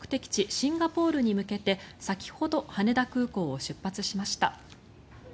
シンガポールに向けて先ほど羽田空港を出発しました。